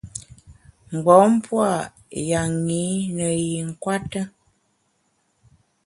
Mgbom pua’ yanyi ne yi nkwete.